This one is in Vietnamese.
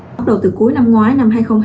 bắt đầu từ cuối năm ngoái năm hai nghìn hai mươi